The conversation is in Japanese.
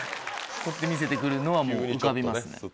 見せてくるのはもう浮かびますね。